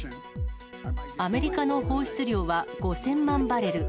アメリカの放出量は５０００万バレル。